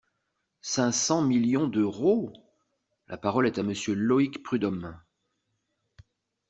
cinq cents millions d’euros ! La parole est à Monsieur Loïc Prud’homme.